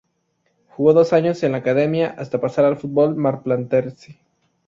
Jugó dos años en la Academia, hasta pasar al fútbol marplatense.